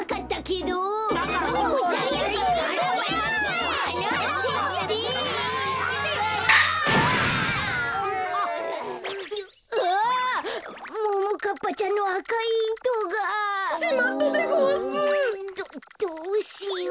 どどうしよう。